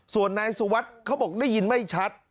ส่วนนายสุวัสดิ์เขาบอกได้ยินไม่ชัด